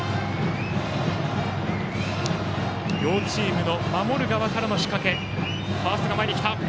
両チームの守る側からの仕掛け。